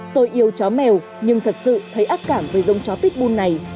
tôi yêu chó mèo nhưng thật sự thấy ác cảm với giống chó pitbull này